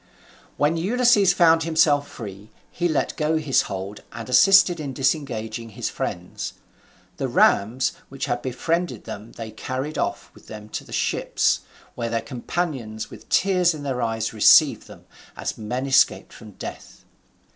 When Ulysses found himself free, he let go his hold, and assisted in disengaging his friends. The rams which had befriended them they carried off with them to the ships, where their companions with tears in their eyes received them, as men escaped from death.